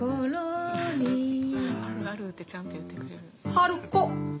春子。